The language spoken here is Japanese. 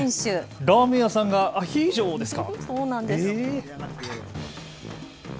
ラーメン屋さんがアヒージョですか。